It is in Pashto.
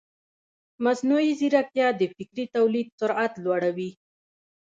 مصنوعي ځیرکتیا د فکري تولید سرعت لوړوي.